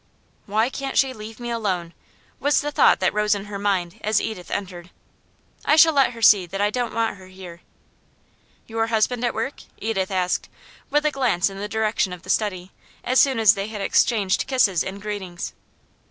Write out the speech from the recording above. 'Why can't she leave me alone?' was the thought that rose in her mind as Edith entered. 'I shall let her see that I don't want her here.' 'Your husband at work?' Edith asked, with a glance in the direction of the study, as soon as they had exchanged kisses and greetings.